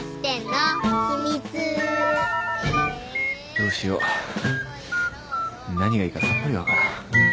どうしよう何がいいかさっぱり分からん。